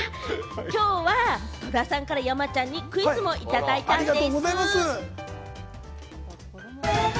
きょうは戸田さんから山ちゃんにクイズもいただいたんでぃす。